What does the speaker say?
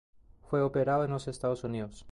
Fue operado en los Estados Unidos.